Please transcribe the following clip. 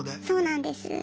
そうなんです。